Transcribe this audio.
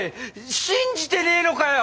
信じてねえのかよ？